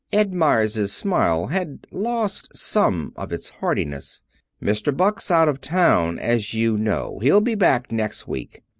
Ed Meyers's smile had lost some of its heartiness. "Mr. Buck's out of town, as you know. He'll be back next week.